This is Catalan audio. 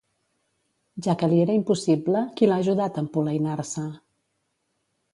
Ja que li era impossible, qui l'ha ajudat a empolainar-se?